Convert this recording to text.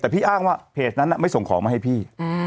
แต่พี่อ้างว่าเพจนั้นไม่ส่งของมาให้พี่